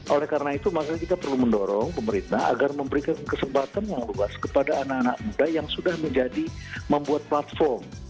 oleh karena itu makanya kita perlu mendorong pemerintah agar memberikan kesempatan yang luas kepada anak anak muda yang sudah menjadi membuat platform